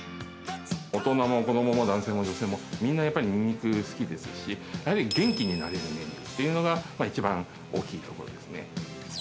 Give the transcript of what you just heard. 大人も子どもも男性も女性も、みんなやっぱりニンニク好きですし、やはり元気になれるメニューっていうのが、一番大きいところですね。